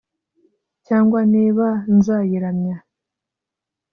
Cyangwa niba nzayiramya